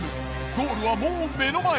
ゴールはもう目の前。